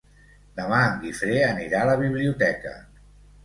Demà en Guifré anirà a la biblioteca.